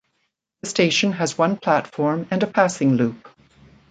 The station has one platform and a passing loop.